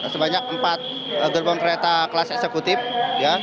sebanyak empat gerbong kereta kelas eksekutif ya